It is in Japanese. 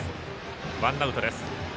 ワンアウトです。